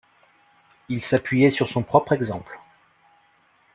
Il s’appuyait sur son propre exemple.